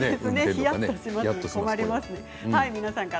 ひやっとします。